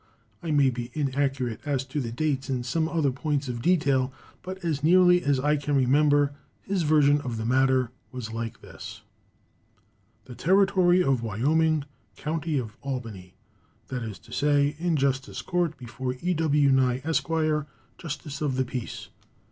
I may be inaccurate as to dates and some other points of detail, but, as nearly as I can remember, his version of the matter was like this: THE TERRITORY OF WYOMING, } COUNTY OF ALBANY. } ss. In Justice's Court, before E.W. Nye, Esq., Justice of the Peace.